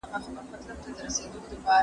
ته کله کتابتون ته ځې؟